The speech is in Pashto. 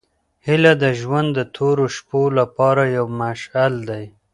هیله د ژوند د تورو شپو لپاره یو مشعل دی.